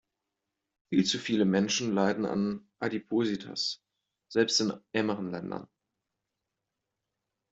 Viel zu viele Menschen leiden an Adipositas, selbst in ärmeren Ländern.